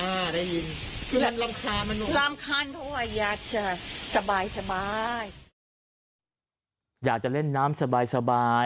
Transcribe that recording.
อ่าได้ยินคือมันรำคามาหน่อยรำคาญเพราะว่าอยากจะสบาย